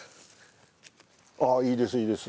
いいですいいです。